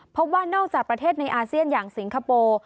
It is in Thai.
พบว่านอกจากประเทศในอาเซียนอย่างสิงคโปร์